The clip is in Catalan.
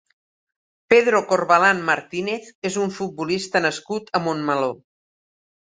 Pedro Corbalán Martínez és un futbolista nascut a Montmeló.